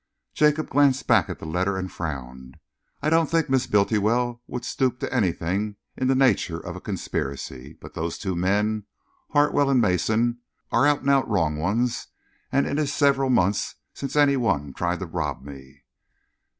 Jacob glanced back at the letter and frowned. "I don't think Miss Bultiwell would stoop to anything in the nature of a conspiracy, but those two men, Hartwell and Mason, are out and out wrong 'uns, and it is several months since any one tried to rob me."